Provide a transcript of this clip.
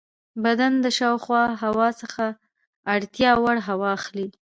بدن د شاوخوا هوا څخه اړتیا وړ هوا اخلي.